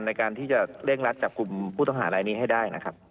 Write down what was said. ในการที่จะเร่งรัดจับกลุ่มผู้ต้องหารายนี้ให้ได้นะครับ